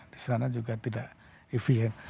di sana juga tidak efient